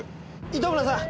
糸村さん